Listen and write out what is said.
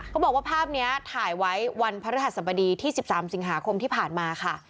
เขาบอกว่าภาพเนี้ยถ่ายไว้วันพระธรรมดีที่สิบสามสิงหาคมที่ผ่านมาค่ะ